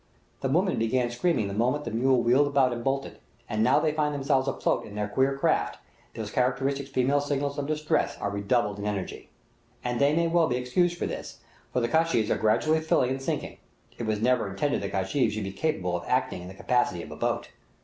The women began screaming the moment the mule wheeled round and bolted, and now they find themselves afloat in their queer craft, these characteristic female signals of distress are redoubled in energy; and they may well be excused for this, for the kajavehs are gradually filling and sinking; it was never intended that kajavehs should be capable of acting in the capacity of a boat.